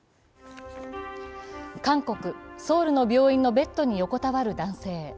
韓国・ソウルの病院のベッドに横たわる男性。